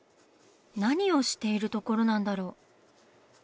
何をしているところなんだろう？